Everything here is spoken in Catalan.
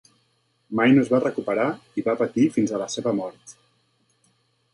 Mai no es va recuperar i va patir fins a la seva mort.